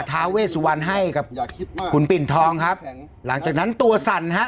ทาเวสวรรค์ให้ครับอย่าคิดมากคุณปิ่นทองครับหลังจากนั้นตัวสั่นฮะ